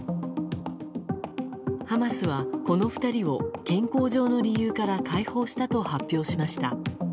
ハマスは、この２人を健康上の理由から解放したと発表しました。